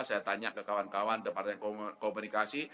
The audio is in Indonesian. saya tanya ke kawan kawan departemen komunikasi